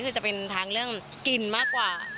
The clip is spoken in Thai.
คือจะเป็นทางเรื่องกินมากกว่า